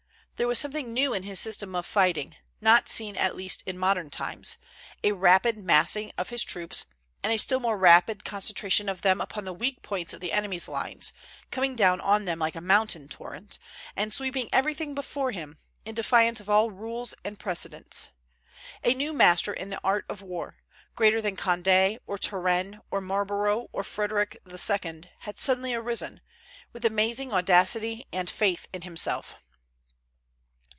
There was something new in his system of fighting, not seen at least in modern times, a rapid massing of his troops, and a still more rapid concentration of them upon the weak points of the enemy's lines, coming down on them like a mountain torrent, and sweeping everything before him, in defiance of all rules and precedents. A new master in the art of war, greater than Condé, or Turenne, or Marlborough, or Frederic II., had suddenly arisen, with amazing audacity and faith in himself.